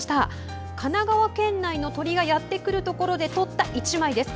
神奈川県内の鳥がやってくるところで撮った１枚です。